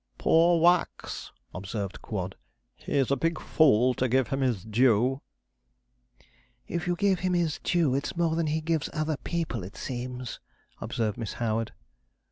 'Poor Wax!' observed Quod; 'he's a big fool, to give him his due.' 'If you give him his due it's more than he gives other people, it seems.' observed Miss Howard.